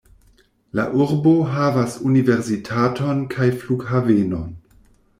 La urbo havas universitaton kaj flughavenon.